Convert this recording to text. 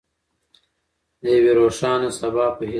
د یوې روښانه سبا په هیله.